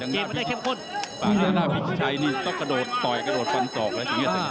ตีตื้อขึ้นมาหน่อยตีมันได้เข้มข้นต้องกระโดดต่อยกระโดดฟันสอกแล้วอีกอย่าง